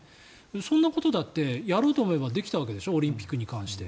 そんなことだってやろうと思えばできたわけでしょオリンピックに関して。